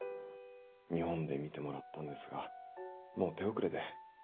日本で診てもらったんですがもう手遅れで。